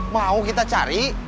mau kita cari